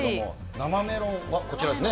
生めろんはこちらですね。